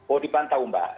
oh dipantau mbak